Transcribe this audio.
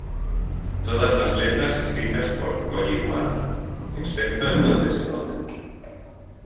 Todas las letras escritas por Kōji Wada, excepto en donde se nota.